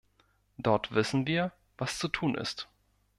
Dort wissen wir, was zu tun ist.